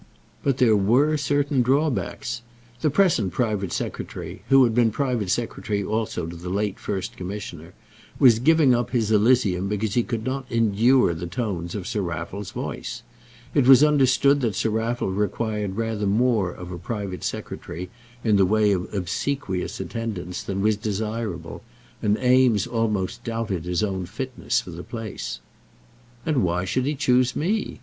But there were certain drawbacks. The present private secretary, who had been private secretary also to the late First Commissioner, was giving up his Elysium because he could not endure the tones of Sir Raffle's voice. It was understood that Sir Raffle required rather more of a private secretary, in the way of obsequious attendance, than was desirable, and Eames almost doubted his own fitness for the place. "And why should he choose me?"